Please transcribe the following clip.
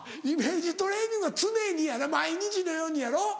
イメージトレーニングは常にやろ毎日のようにやろ？